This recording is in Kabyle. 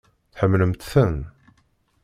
Tḥemmlemt-ten?